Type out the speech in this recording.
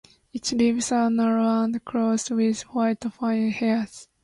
Its leaves are narrow and clothed with white fine hairs.